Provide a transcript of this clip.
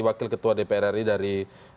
wakil ketua dpr ri dari